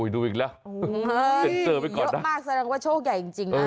ดูอีกละเยอะมากใส่ลงว่าโชคใหญ่จริง